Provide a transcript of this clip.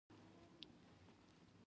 د بام پاکول کله کوئ؟ کال کې یوځل بام پاکوم